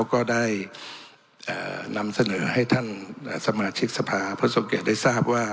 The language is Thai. ก็ได้นำเสนอให้ท่านสมาชิกสภาผู้ทรงเกียจได้ทราบว่า